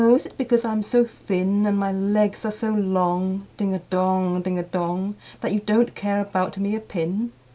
is it because I'm so thin, And my legs are so long,—ding a dong, ding a dong!— That you don't care about me a pin?